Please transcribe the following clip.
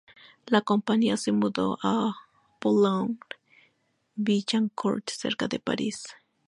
La compañía se mudó a Boulogne-Billancourt cerca de París.